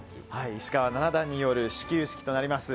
石川七段による始弓式となります。